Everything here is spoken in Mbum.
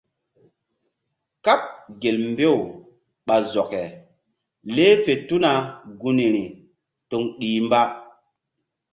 Kaɓ gel mbew ɓa zɔke leh fe tuna gunri toŋ ɗih mba.